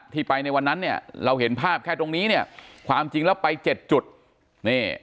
ที่ไปในวันนั้นเนี่ยเราเห็นภาพแค่ตรงนี้เนี่ยความจริงแล้วไปเจ็ดจุดนี่